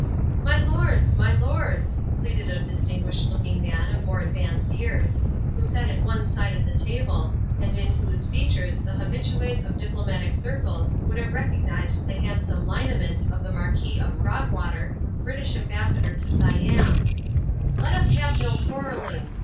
"My lords, my lords!" pleaded a distinguished looking man of more advanced years, who sat at one side of the table, and in whose features the habitués of diplomatic circles would have recognized the handsome lineaments of the Marquis of Frogwater, British Ambassador to Siam, "let us have no quarrelling.